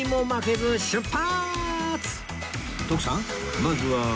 まずは。